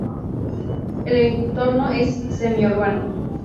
El entorno es semi urbano.